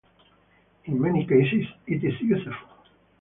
In many cases it is useful.